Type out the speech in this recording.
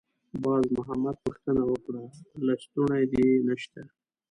باز محمد پوښتنه وکړه: «لستوڼی دې نشته؟»